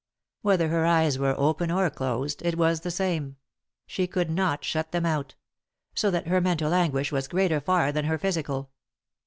Whether her eyes were open or closed it was the same ; she could not shut them out— so that her mental anguish was greater far than her physical.